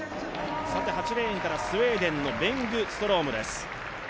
８レーンからスウェーデンのベングツトロームです。